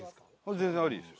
全然ありですよ。